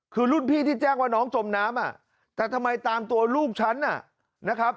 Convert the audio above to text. คือรุ่นพี่ที่แจ้งว่าน้องจมน้ำแต่ทำไมตามตัวลูกฉันนะครับ